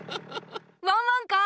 ワンワンカー！